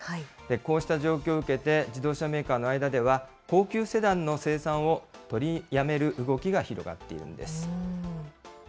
こうした状況を受けて、自動車メーカーの間では、高級セダンの生産を取りやめる動きが広がっているんです。